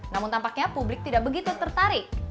namun tampaknya publik tidak begitu tertarik